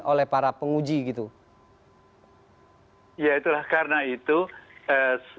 oleh para penguji gitu ya itulah karena itu